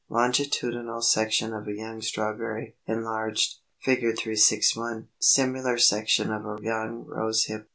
Longitudinal section of a young strawberry, enlarged.] [Illustration: Fig. 361. Similar section of a young Rose hip.